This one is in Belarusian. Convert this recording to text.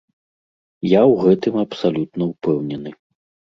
Я ў гэтым абсалютна ўпэўнены.